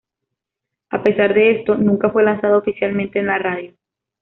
A pesar de esto, nunca fue lanzado oficialmente en la radio.